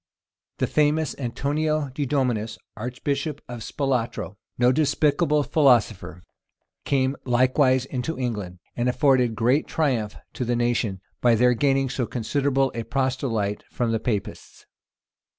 [] The famous Antonio di Dominis, archbishop of Spalatro, no despicable philosopher, came likewise into England, and afforded great triumph to the nation, by their gaining so considerable a proselyte from the Papists.